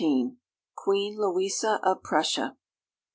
XVII QUEEN LOUISA OF PRUSSIA.